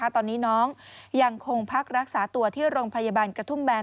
ตอนนี้น้องยังคงพักรักษาตัวที่โรงพยาบาลกระทุ่มแบน